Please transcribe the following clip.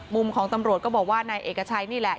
มุมของตำรวจนะนี่แหละ